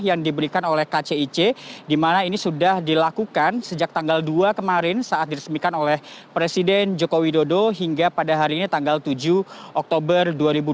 yang diberikan oleh kcic di mana ini sudah dilakukan sejak tanggal dua kemarin saat diresmikan oleh presiden joko widodo hingga pada hari ini tanggal tujuh oktober dua ribu dua puluh